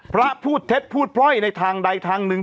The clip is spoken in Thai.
พระพูดเท็จพูดพร่อยในทางใดทางหนึ่ง